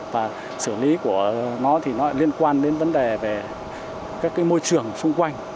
và xử lý của nó thì nó liên quan đến vấn đề về các cái môi trường xung quanh